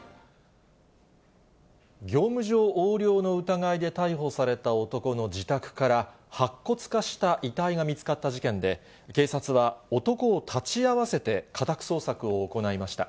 業務上横領の疑いで逮捕された男の自宅から、白骨化した遺体が見つかった事件で、警察は男を立ち会わせて、家宅捜索を行いました。